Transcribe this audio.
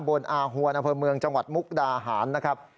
ตัมบลอาหวนอเมืองจังหวัดมุกดาหานนะครับ